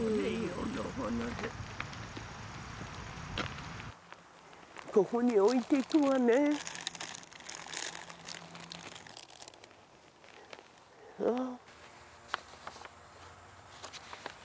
うんここに置いていくわねああ